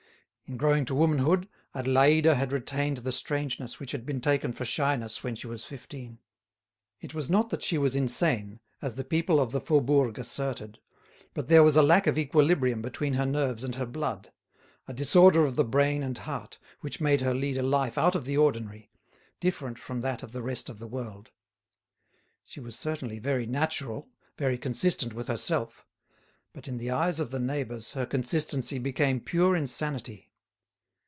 In growing to womanhood, Adélaïde had retained the strangeness which had been taken for shyness when she was fifteen. It was not that she was insane, as the people of the Faubourg asserted, but there was a lack of equilibrium between her nerves and her blood, a disorder of the brain and heart which made her lead a life out of the ordinary, different from that of the rest of the world. She was certainly very natural, very consistent with herself; but in the eyes of the neighbours her consistency became pure insanity.